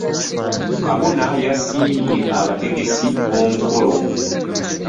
Kabona yasimye abategesi b'omukolo.